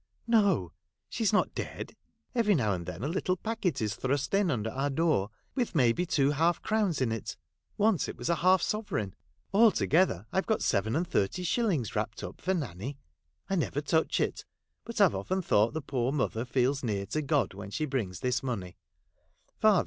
' No ! she 's not dead. Every now and then a little packet is thrust in under our door, with may be two half crowns in it ; once it was half a sovereign. Altogether I've got eeven aud thirty shillings wraj:* ed up for Nanny. I never touch it, but I 've oftqn thought the poor motluT feds near to God when she brings this iuon> m .